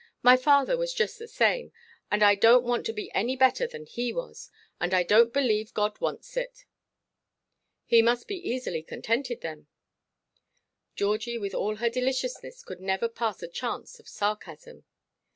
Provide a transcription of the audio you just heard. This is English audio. My father was just the same; and I donʼt want to be any better than he was; and I donʼt believe God wants it." "He must be easily contented, then." Georgie, with all her deliciousness, could never pass a chance of sarcasm.